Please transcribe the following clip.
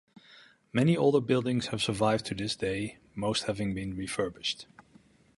Many older buildings have survived to this day, most having been refurbished.